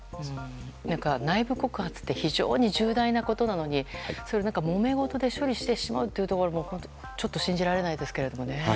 内部告発って非常に重大なことなのにもめごとで処理してしまうというところも本当、ちょっと信じられないですけどもね。